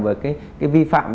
với cái vi phạm